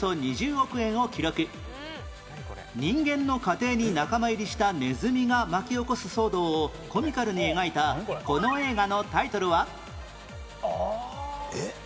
人間の家庭に仲間入りしたネズミが巻き起こす騒動をコミカルに描いたこの映画のタイトルは？えっ！？